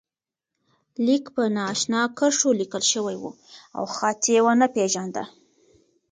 لیک په نا آشنا کرښو لیکل شوی و او خط یې و نه پېژانده.